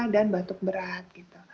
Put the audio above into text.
dan batuk berat